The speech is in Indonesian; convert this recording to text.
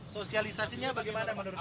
sosialisasinya bagaimana menurut bapak